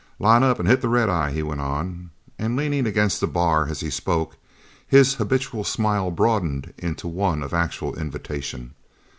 "Line up and hit the red eye," he went on, and leaning against the bar as he spoke, his habitual smile broadened into one of actual invitation.